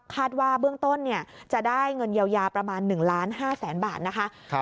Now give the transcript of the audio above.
คาดว่าเบื้องต้นจะได้เงินเยียวยาประมาณ๑ล้าน๕แสนบาทนะคะ